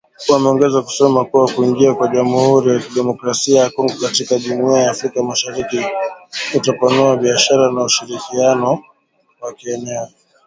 Wameongeza kusema kuwa kuingia kwa Jamhuri ya Kidemokrasia ya Kongo katika Jumuiya ya Afrika Mashariki kutapanua biashara na ushirikiano wa kieneo